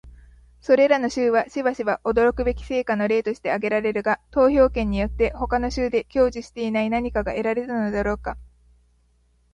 それらの州はしばしば驚くべき成果の例として挙げられるが、投票権によって他の州で享受していない何かが得られたのだろうか？